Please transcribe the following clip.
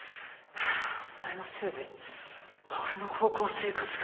お前のせいで俺の高校生活が。